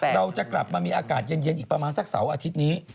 เราจะกลับมามีอากาศเย็นอีกประมาณสักเสาร์อาทิตย์นี้